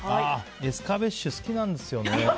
エスカベッシュ好きなんですよね。